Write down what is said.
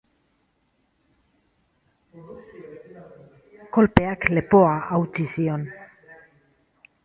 Kolpeak lepoa hautsi zion.